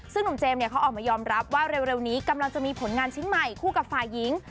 ซึ่งหนุ่มเจมส์เขาออกมายอมรับว่าเร็วนี้กำลังจะมีผลงานชิ้นใหม่คู่กับฝ่ายหญิง